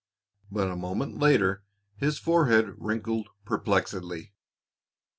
But a moment later his forehead wrinkled perplexedly.